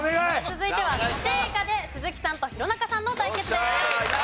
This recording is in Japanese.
続いては家庭科で鈴木さんと弘中さんの対決です。